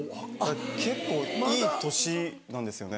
結構いい年なんですよね。